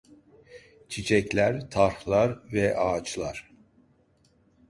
Çiçekler, tarhlar ve ağaçlar.